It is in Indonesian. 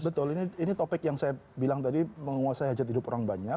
betul ini topik yang saya bilang tadi menguasai hajat hidup orang banyak